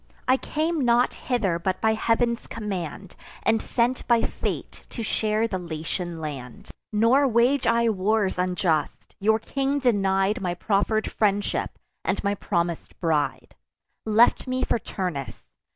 I came not hither but by Heav'n's command, And sent by fate to share the Latian land. Nor wage I wars unjust: your king denied My proffer'd friendship, and my promis'd bride; Left me for Turnus.